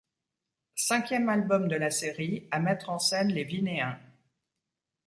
Cinquième album de la série à mettre en scène les Vinéens.